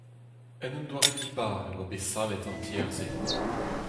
En un doare dibar e oa bet savet an tiez-se.